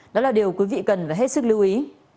đó là điều quý vị cần phải hết sức lưu ý